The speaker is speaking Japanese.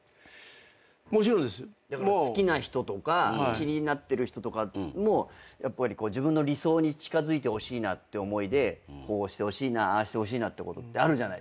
好きな人とか気になってる人とかも自分の理想に近づいてほしいなって思いでこうしてほしいああしてほしいなってことってあるじゃないですか。